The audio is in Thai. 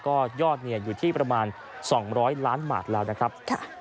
ก็ยอดอยู่ที่ประมาณ๒๐๐ล้านบาทแล้วนะครับ